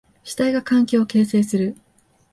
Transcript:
主体が環境を形成する。